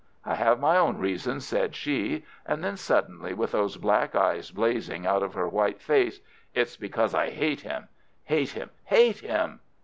"I have my own reasons," said she; and then suddenly, with those black eyes blazing out of her white face: "It's because I hate him, hate him, hate him!